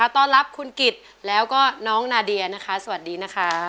ต้อนรับคุณกิจแล้วก็น้องนาเดียนะคะสวัสดีนะคะ